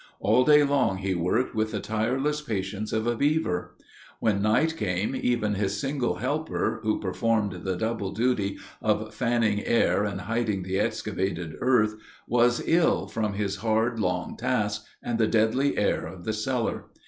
All day long he worked with the tireless patience of a beaver. When night came, even his single helper, who performed the double duty of fanning air and hiding the excavated earth, was ill from his hard, long task and the deadly air of the cellar.